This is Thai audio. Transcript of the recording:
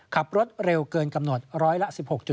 ขับรถเร็วเกินกำหนดร้อยละ๑๖